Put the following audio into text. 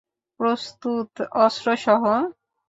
প্রস্তুত, অস্ত্র সহ।